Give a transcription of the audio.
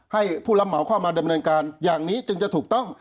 ให้ผู้รับเหมาเข้ามาดำเนินการอย่างนี้จึงจะถูกต้อง